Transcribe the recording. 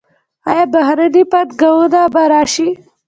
آیا بهرنۍ پانګونه به را نشي؟